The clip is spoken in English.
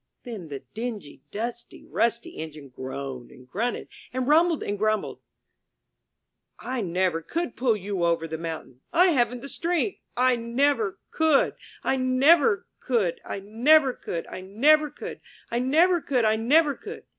Then the Dingy, Dusty, Rusty Engine groaned, and grunted, and rumbled, and grumbled: '1 never could pull you over the mountain! I haven't the strength! I never — could! I never — could! I never— could! I never could! I never could! I never could!